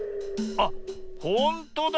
あっほんとだ！